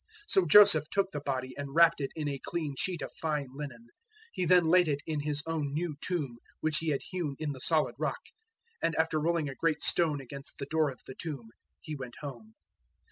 027:059 So Joseph took the body and wrapped it in a clean sheet of fine linen. 027:060 He then laid it in his own new tomb which he had hewn in the solid rock, and after rolling a great stone against the door of the tomb he went home.